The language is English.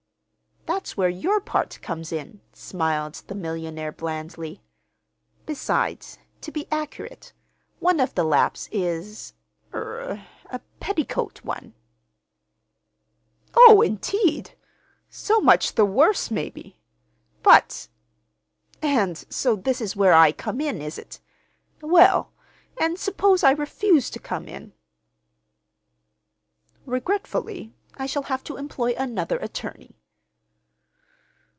"That's where your part comes in," smiled the millionaire blandly. "Besides, to be accurate, one of the laps is—er—a petticoat one." "Oh, indeed! So much the worse, maybe. But—And so this is where I come in, is it? Well, and suppose I refuse to come in?" "Regretfully I shall have to employ another attorney."